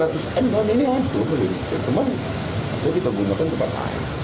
tapi kita gunakan tempat lain